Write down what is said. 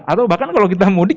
atau bahkan kalau kita mudik